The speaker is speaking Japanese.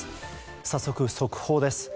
早速、速報です。